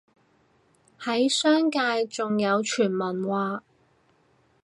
喺商界仲有傳聞話